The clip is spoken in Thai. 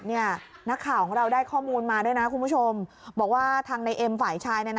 นี้ไงแล้วถามว่าเขาย้ายไปไหน